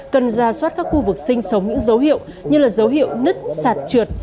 cần ra soát các khu vực sinh sống những dấu hiệu như dấu hiệu nứt sạt trượt